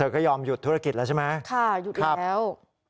อืมเธอก็ยอมหยุดธุรกิจแล้วใช่ไหมค่ะหยุดแล้วครับอืม